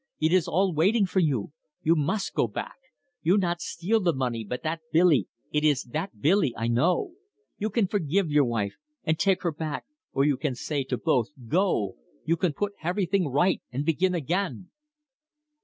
It is all waiting for you. You mus' go back. You not steal the money, but that Billy it is that Billy, I know. You can forgive your wife, and take her back, or you can say to both, Go! You can put heverything right and begin again."